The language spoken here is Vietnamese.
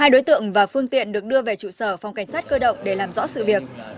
hai đối tượng và phương tiện được đưa về trụ sở phòng cảnh sát cơ động để làm rõ sự việc